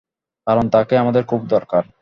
কারণ তাকে আমাদের খুব দরকার।